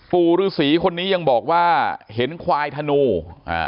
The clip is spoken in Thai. ปู่ฤษีคนนี้ยังบอกว่าเห็นควายธนูอ่า